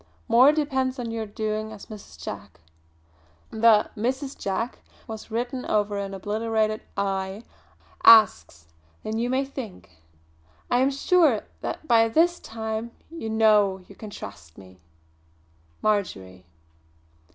More depends on your doing as Mrs. Jack" the "Mrs. Jack" was written over an obliterated "I" "asks than you may think. I am sure that by this time you know you can trust me. "MARJORY."